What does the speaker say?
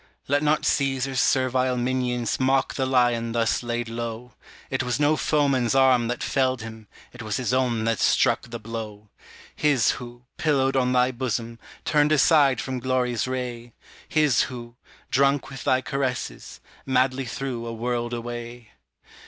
Let not Caesar's servile minions Mock the lion thus laid low; 'T was no foeman's arm that felled him, 'T was his own that struck the blow: His who, pillowed on thy bosom, Turned aside from glory's ray, His who, drunk with thy caresses, Madly threw a world away.